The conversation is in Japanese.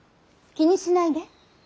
気にしないで。